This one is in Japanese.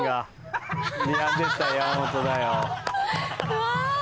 うわ！